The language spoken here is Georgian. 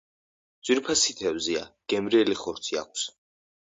ძვირფასი თევზია, გემრიელი ხორცი აქვს.